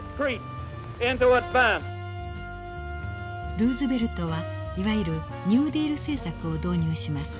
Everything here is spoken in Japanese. ルーズベルトはいわゆるニューディール政策を導入します。